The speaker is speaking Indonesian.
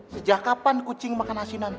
sejak kapan kucing makan asinan